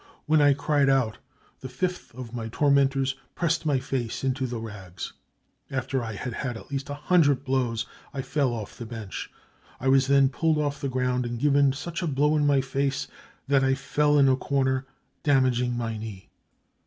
When I cried out, the fifth of my tormentors pressed my face into the rags. " After I had had at least a hundred blows I fell off the bench. I was then pulled off the ground and given such a blow in my face that I fell in a comer, damaging my knee.